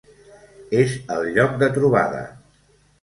És el lloc de trobada.